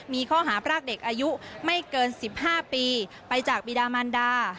มีข้อหาพรากเด็กอายุไม่เกิน๑๕ปีไปจากบีดามันดา